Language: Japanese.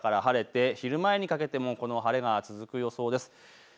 朝から晴れて昼前にかけても晴れ、この晴れが続く予想です。